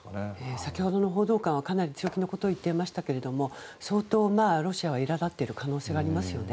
先ほどの報道官はかなり強気なことを言っていましたが相当、ロシアはいら立っている可能性がありますね。